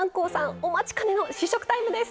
お待ちかねの試食タイムです！